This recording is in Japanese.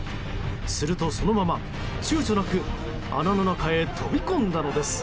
すると、そのまま躊躇なく穴の中へ飛び込んだのです。